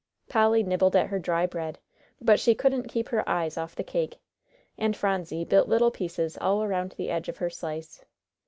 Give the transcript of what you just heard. Polly nibbled at her dry bread, but she couldn't keep her eyes off the cake, and Phronsie bit little pieces all around the edge of her slice.